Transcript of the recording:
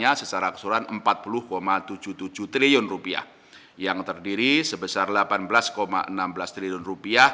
bagaimana juga sudah dijelaskan oleh bumenteri keuangan dan gubernur bi